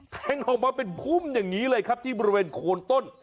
แทงออกมาเป็นพุ่มอย่างนี้เลยครับที่บริเวณโคนต้น